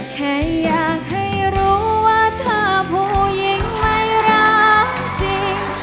แค่อยากให้รู้ว่าถ้าผู้หญิงไม่รักจริง